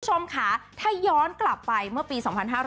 คุณผู้ชมค่ะถ้าย้อนกลับไปเมื่อปี๒๕๕๙